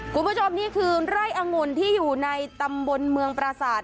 คุณผู้ชมนี่คือไร่อังุ่นที่อยู่ในตำบลเมืองปราศาสตร์